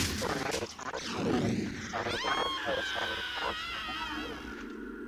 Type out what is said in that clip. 广南茶是山茶科山茶属的植物。